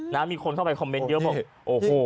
นะมีคนเข้าไปคอมเมนต์เยอะมาก